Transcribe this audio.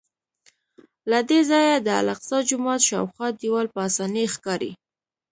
له دې ځایه د الاقصی جومات شاوخوا دیوال په اسانۍ ښکاري.